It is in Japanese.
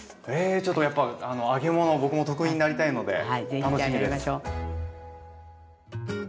ちょっとやっぱ揚げ物僕も得意になりたいので楽しみです。